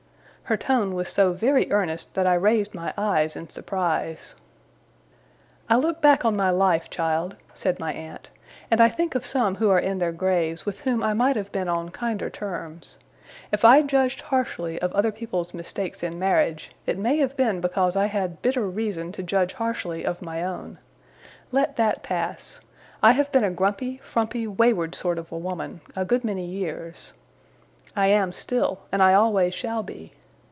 Her tone was so very earnest that I raised my eyes in surprise. 'I look back on my life, child,' said my aunt, 'and I think of some who are in their graves, with whom I might have been on kinder terms. If I judged harshly of other people's mistakes in marriage, it may have been because I had bitter reason to judge harshly of my own. Let that pass. I have been a grumpy, frumpy, wayward sort of a woman, a good many years. I am still, and I always shall be.